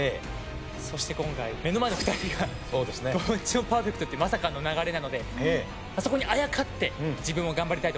そして今回目の前の２人がパーフェクトってまさかの流れなのでそこにあやかって自分も頑張りたいと思います。